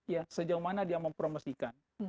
ya sejauh mana dia mempromosikan